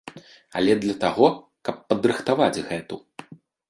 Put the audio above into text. Але для таго, каб падрыхтаваць гэту.